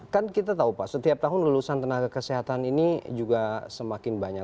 kan kita tahu pak setiap tahun lulusan tenaga kesehatan ini juga semakin banyak